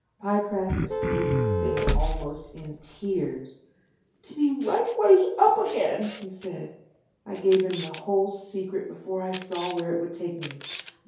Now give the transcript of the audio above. Pyecraft received the thing almost in tears. "To be right ways up again—" he said. I gave him the whole secret before I saw where it would take me.